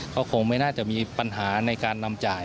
ก็คงไม่น่าจะมีปัญหาในการนำจ่าย